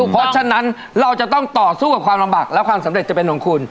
เพราะฉะนั้นเราจะต้องต่อสู้กับความลำบากแล้วความสำเร็จจะเป็นของคุณ